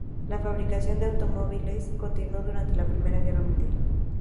La fabricación de automóviles continuó durante la Primera Guerra Mundial.